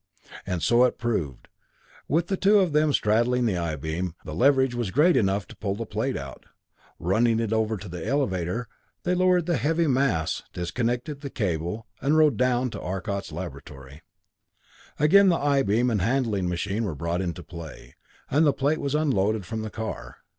And so it proved. With two of them straddling the I beam, the leverage was great enough to pull the plate out. Running it over to the elevator, they lowered the heavy mass, disconnected the cable, and rode down to Arcot's laboratory. Again the I beam and handling machine were brought into play, and the plate was unloaded from the car.